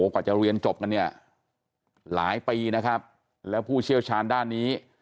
กว่าจะเรียนจบกันเนี่ยหลายปีนะครับแล้วผู้เชี่ยวชาญด้านนี้